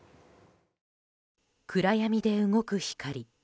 暗闇で動く光。